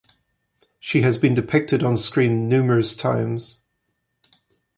She has been depicted on screen numerous times.